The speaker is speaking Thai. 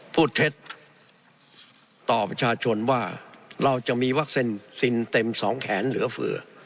เท็จต่อประชาชนว่าเราจะมีวัคซีนซินเต็มสองแขนเหลือ